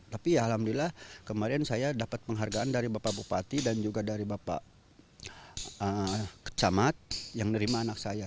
tapi alhamdulillah kemarin saya dapat penghargaan dari bapak bupati dan juga dari bapak camat yang nerima anak saya